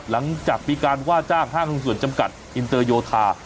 หลังจากมีการว่าจ้างห้างส่วนจำกัดอินเตอร์โยธา